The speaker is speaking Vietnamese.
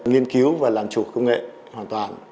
nghiên cứu và làm chủ công nghệ hoàn toàn